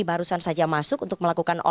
barusan saja masuk untuk melakukan live report